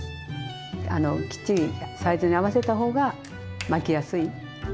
あのきっちりサイズに合わせた方が巻きやすい。